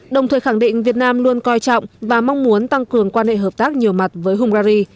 đồng thời khẳng định việt nam luôn coi trọng và mong muốn tăng cường quan hệ hợp tác nhiều mặt với hungary